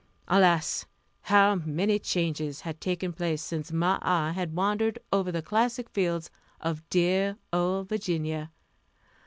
Alas! how many changes had taken place since my eye had wandered over the classic fields of dear old Virginia!